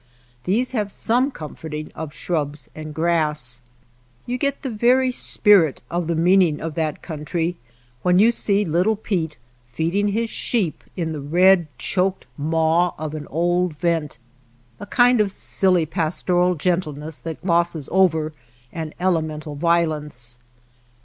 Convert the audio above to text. These have some \ comforting of shrubs and grass. You get 1 08 ^ JIMVILLE the very spirit of the meaning of that country when you see Little Pete feeding his sheep in the red, choked maw of an old vent, — a kind of si]ly_B^storal g ^entlene ss that Q:lozes over an elemental violence.